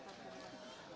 kemudian masyarakat atau apa